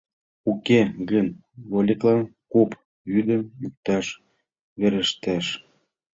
Уке гын вольыклан куп вӱдым йӱкташ верештеш.